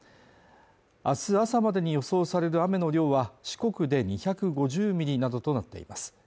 あす朝までに予想される雨の量は四国で２５０ミリなどとなっています